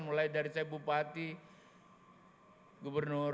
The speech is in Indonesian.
mulai dari saya bupati gubernur